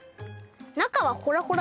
「内はほらほら」